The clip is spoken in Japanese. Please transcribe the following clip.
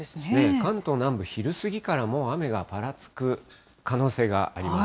関東南部、昼過ぎから、もう雨がぱらつく可能性があります。